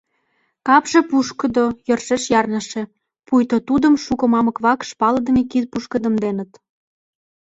Капше пушкыдо, йӧршеш ярныше, пуйто тудым шуко мамык вакш, палыдыме кид пушкыдемденыт.